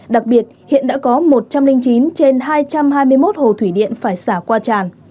đặc biệt hiện đã có một trăm linh chín trên hai trăm hai mươi một hồ thủy điện phải xả qua tràn